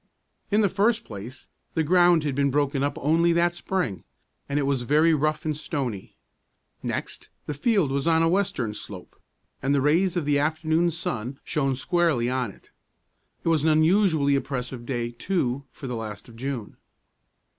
In the first place, the ground had been broken up only that spring, and it was very rough and stony. Next, the field was on a western slope, and the rays of the afternoon sun shone squarely on it. It was an unusually oppressive day, too, for the last of June.